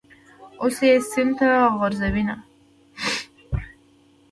اوس یې سین ته غورځوینه.